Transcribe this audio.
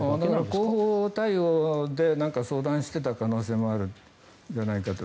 広報対応で何か相談していた可能性もあるんじゃないかと。